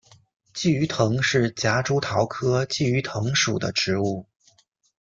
鲫鱼藤是夹竹桃科鲫鱼藤属的植物。